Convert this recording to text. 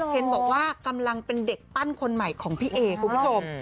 เห็นบอกว่ากำลังเป็นเด็กปั้นคนใหม่ของพี่เอคุณผู้ชม